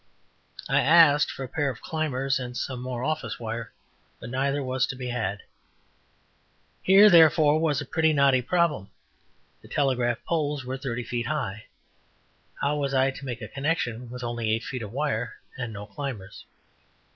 I asked for a pair of climbers and some more office wire, but neither was to be had. Here, therefore, was a pretty knotty problem. The telegraph poles were thirty feet high; how was I to make a connection with only eight feet of wire and no climbers?